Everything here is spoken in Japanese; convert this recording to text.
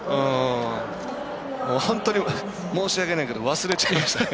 申し訳ないけど忘れちゃいました。